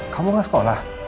kamu gak sekolah